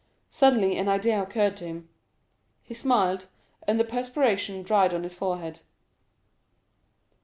Suddenly an idea occurred to him—he smiled, and the perspiration dried on his forehead.